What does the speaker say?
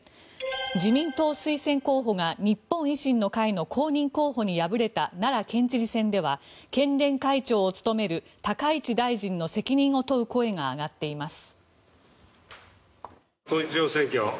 自民党推薦候補が日本維新の会の公認候補に敗れた奈良県知事選では県連会長を務める高市大臣の責任を問う声が上がっています。